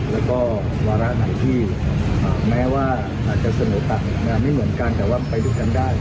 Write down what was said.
แล้วก็วาระไหนที่แม้ว่าอาจจะเสนอตัดไม่เหมือนกันแต่ว่าไปดูกันได้